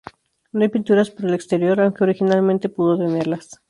No hay pinturas por el exterior, aunque originalmente pudo tenerlas.